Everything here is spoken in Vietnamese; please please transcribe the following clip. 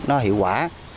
nó hiệu quả